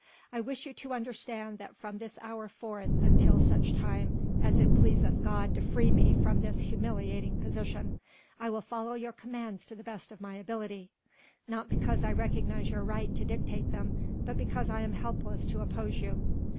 "I wish you to understand that from this hour forth until such time as it pleaseth God to free me from this humiliating position, I will follow your commands to the best of my ability; not because I recognize your right to dictate them but because I am helpless to oppose you.